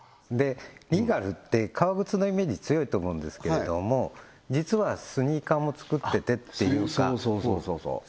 リーガルって革靴のイメージ強いと思うんですけれども実はスニーカーも作っててっていうかそうそうそうそうそうそう！